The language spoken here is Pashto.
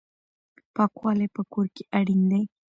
پاکوالی په کور کې اړین دی.